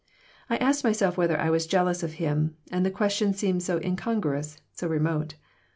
I asked myself whether I was jealous of him, and the question seemed so incongruous, so remote.